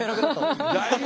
だいぶ。